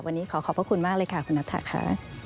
วันนี้ขอขอบพระคุณมากเลยค่ะคุณนัทธาค่ะ